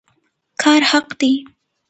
کار حق دی